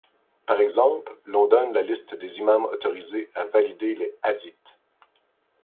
Par exemple, l'on donne la liste des imams autorisés à valider les hadiths.